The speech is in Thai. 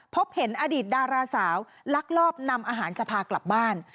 พบเห็นอดีตดาราสาวลักลอบนำอาหารจะพากลับบ้าน